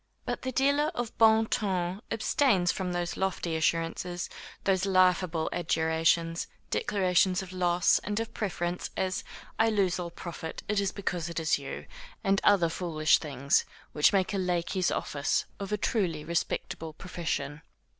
But the dealer of bon ton abstains from those lofty assurances, those laughable adjurations, declarations of loss, and of preference, as, I lose all profit, it is because it is you, and other foolish things, which make a lackey's office of a truly respectable profession.